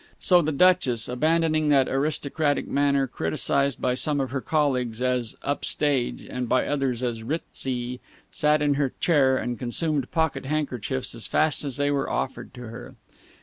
So the Duchess, abandoning that aristocratic manner criticized by some of her colleagues as "up stage" and by others as "Ritz y," sat in her chair and consumed pocket handkerchiefs as fast as they were offered to her.